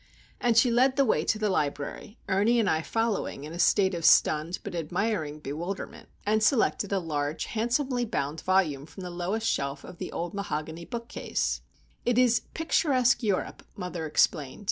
And she led the way to the library (Ernie and I following in a state of stunned but admiring bewilderment), and selected a large, handsomely bound volume from the lowest shelf of the old mahogany bookcase:— "It is Picturesque Europe," mother explained.